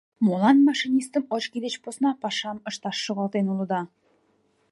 Молан машинистым очки деч посна пашам ышташ шогалтен улыда?